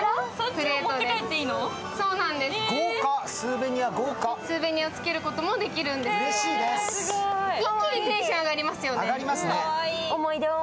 スーベニアをつけることもできるんですよ。